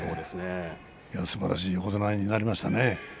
すばらしい横綱になりましたね。